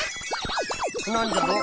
なんじゃろ？